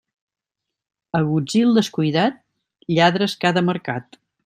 Agutzil descuidat, lladres cada mercat.